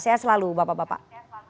saya selalu bapak bapak